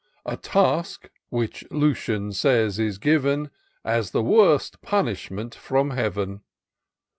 A task, which Lucian says, is given As the worst punishment from Heaven.